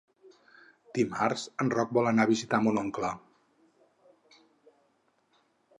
Dimarts en Roc vol anar a visitar mon oncle.